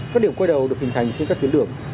các điểm quay đầu được hình thành trên các tuyến đường